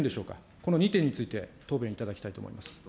この２点について答弁いただきたいと思います。